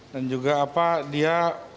dan juga apa dia